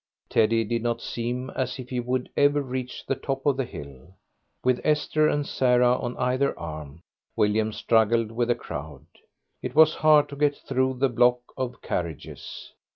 Teddy did not seem as if he would ever reach the top of the hill. With Esther and Sarah on either arm, William struggled with the crowd. It was hard to get through the block of carriages.